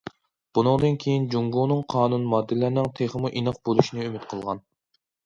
بۇنىڭدىن كېيىن جۇڭگونىڭ قانۇن ماددىلىرىنىڭ تېخىمۇ ئېنىق بولۇشىنى ئۈمىد قىلغان.